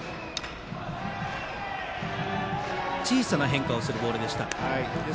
小さな変化をするボールでした。